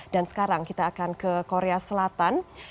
dan sekarang kita akan ke korea selatan